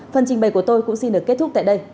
phần trình bày của tôi cũng xin được kết thúc tại đây